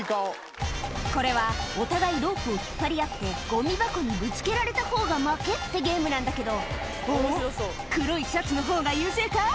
これはお互いロープを引っ張り合ってゴミ箱にぶつけられた方が負けってゲームなんだけどおぉ黒いシャツの方が優勢か？